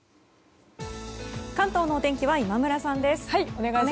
関東のお天気は今村さんです。